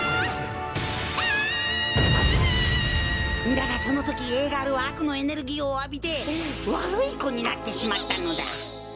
だがそのときＡガールはあくのエネルギーをあびてわるいこになってしまったのだ。